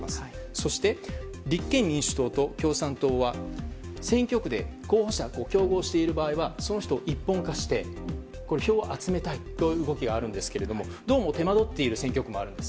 そして、立憲民主党と共産党は選挙区で候補者と競合している場合はその人を一本化して票を集めたいという動きがあるんですけどどうも手間取っている選挙区があるんです。